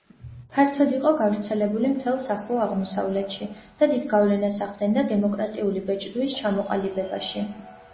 ფართოდ იყო გავრცელებული მთელს ახლო აღმოსავლეთში და დიდ გავლენას ახდენდა დემოკრატიული ბეჭდვის ჩამოყალიბებაში.